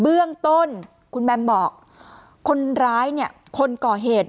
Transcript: เบื้องต้นคุณแบมบอกคนร้ายคนเกาะเหตุ